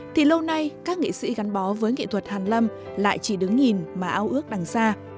thì lâu nay các nghệ sĩ gắn bó với nghệ thuật hàn lâm lại chỉ đứng nhìn mà ao ước đằng xa